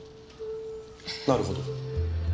なるほど。